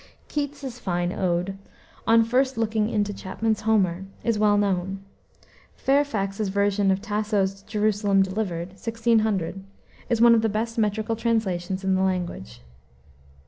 Keats's fine ode, On First Looking into Chapman's Homer, is well known. Fairfax's version of Tasso's Jerusalem Delivered (1600) is one of the best metrical translations in the language.